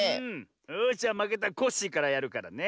よしじゃまけたコッシーからやるからね。